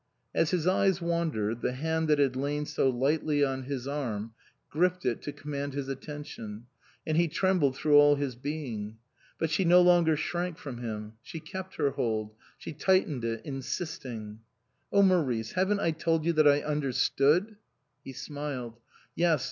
As his eyes wandered, the hand that had lain so lightly on his arm, gripped it to command his attention, and he trembled through all his being. But she no longer shrank from him ; she kept her hold, she tightened it, insisting. "Oh, Maurice! haven't I told you that I under stood?" He smiled. " Yes.